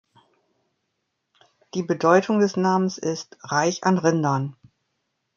Die Bedeutung des Namens ist „reich an Rindern“.